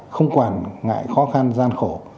không quản ngại khó khăn gian khổ